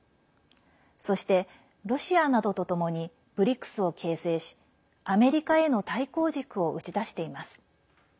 そして、ロシアなどとともにＢＲＩＣＳを形成しアメリカへの対抗軸を打ち出しています。